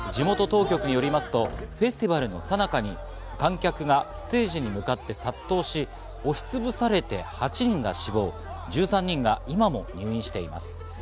地元当局によりますと、フェスティバルの最中に観客がステージへ向かって殺到し、押しつぶされて８人が死亡、１３人が今も入院しています。